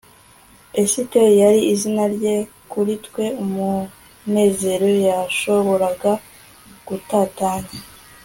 esiteri yari izina rye, kuri twe umunezero yashoboraga gutatanya